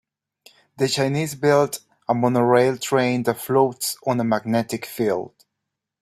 The Chinese built a monorail train that floats on a magnetic field.